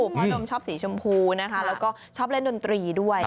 เพราะดมชอบสีชมพูนะคะแล้วก็ชอบเล่นดนตรีด้วย